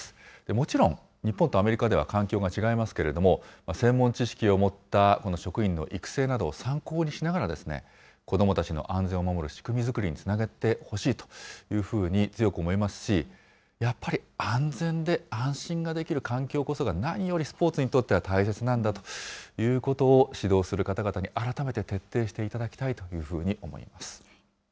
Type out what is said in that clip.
もちろん、日本とアメリカでは環境が違いますけれども、専門知識を持ったこの職員の育成などを参考にしながら、子どもたちの安全を守る仕組み作りにつなげてほしいというふうに強く思いますし、やっぱり安全で安心ができる環境こそが、何よりスポーツにとっては大切なんだということを指導する方々に改めて徹底していただきたいというふうに思います。